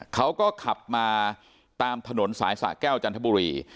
เขาก็ขับมาตามถนนสายสะแก้วจันทบุรี